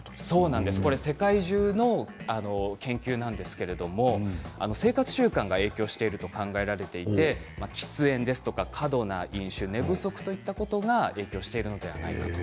世界中の研究なんですけれども生活習慣が影響していると考えられていて喫煙ですとか過度な飲酒寝不足といったことが影響しているのではないかと。